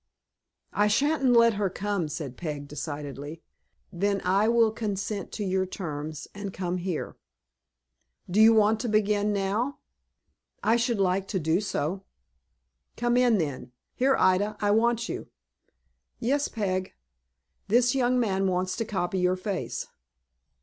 "I sha'n't let her come," said Peg, decidedly. "Then I will consent to your terms, and come here." "Do you want to begin now?" "I should like to do so." "Come in, then. Here, Ida, I want you." "Yes, Peg." "This young man wants to copy your face."